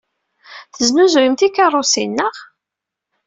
Tesnuzuyem tikeṛṛusin, naɣ?